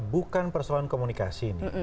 bukan persoalan komunikasi ini